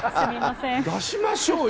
出しましょうよ。